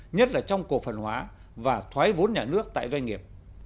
nhất là trong cổ phần hóa và thoái vốn nhà nước tại doanh nghiệp